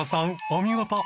お見事。